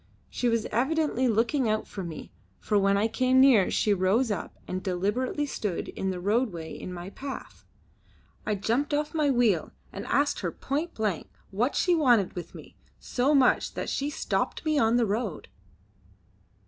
She was evidently looking out for me, for when I came near she rose up and deliberately stood in the roadway in my path. I jumped off my wheel and asked her point blank what she wanted with me so much that she stopped me on the road.